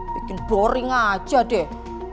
bikin boring aja deh